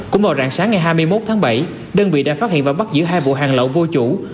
cũng vào rạng sáng ngày hai mươi một tháng bảy đơn vị đã phát hiện và bắt giữ hai vụ hàng lậu vô chủ